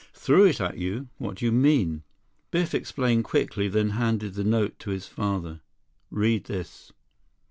"Threw it at you? What do you mean?" 9 Biff explained quickly, then handed the note to his father. "Read this."